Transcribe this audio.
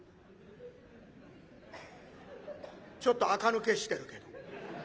ちょっとあか抜けしてるけど。